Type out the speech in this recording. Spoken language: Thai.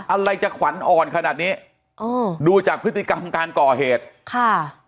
อะไรจะขวัญอ่อนขนาดนี้อ๋อดูจากพฤติกรรมการก่อเหตุค่ะ